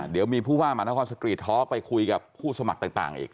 เดี๋ยวมีผู้ว่ามหานครสตรีทอล์กไปคุยกับผู้สมัครต่างอีก